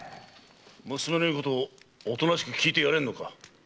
娘の言うことをおとなしく聞いてやれんのか？